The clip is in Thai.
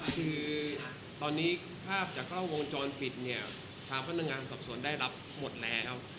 คือตอนนี้ภาพจากกล้องวงจรปิดเนี่ยทางพนักงานสอบสวนได้รับหมดแล้ว